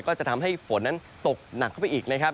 ก็จะทำให้ฝนนั้นตกหนักเข้าไปอีกนะครับ